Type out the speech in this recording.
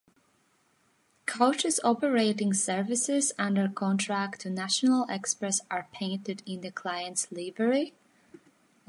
Coaches operating services under contract to National Express are painted in the client's livery.